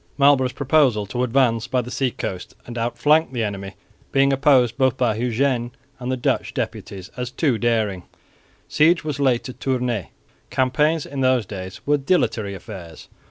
Marlborough's proposal to advance by the sea coast and outflank the enemy being opposed both by Eugene and the Dutch deputies as too daring, siege was laid to Tournay. Campaigns in those days were dilatory affairs.